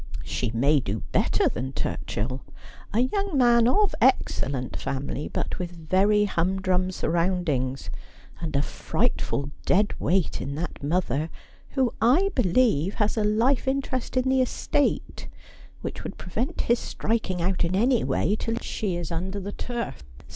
' She may do better than Turchill — a young man of excellent family, but with very humdrum surroundings, and a frightful dead weight in that mother, who I believe has a life interest in the estate which would prevent his striking out in any way till she is under the turf.